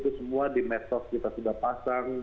itu semua di medsos kita sudah pasang